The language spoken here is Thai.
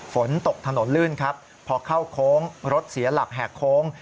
ฝนตกถนนลื่นครับพอเข้าโค้งรถเสียหลักแหกโค้ง